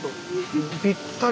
ぴったり！